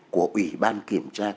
của ủy ban kiểm tra